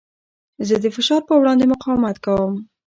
زه د فشار په وړاندې مقاومت کوم.